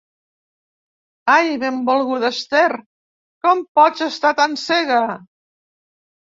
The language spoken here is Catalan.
Ai, benvolguda Esther, com pots estar tan cega?